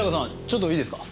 ちょっといいですか。